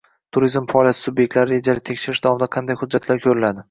Turizm faoliyati sub’ektlarini rejali tekshirish davomida qanday hujjatlar ko’riladi?